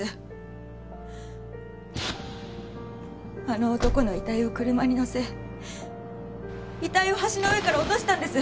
あの男の遺体を車に乗せ遺体を橋の上から落としたんです。